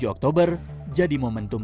dua puluh tujuh oktober jadi momentum